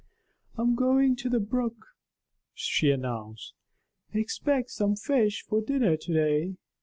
"I'm going to the brook," she announced; "expect some fish for dinner to day."